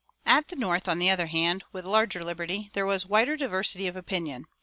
"[346:2] At the North, on the other hand, with larger liberty, there was wider diversity of opinion.